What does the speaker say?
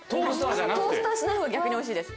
トースターしないほうが逆においしいです。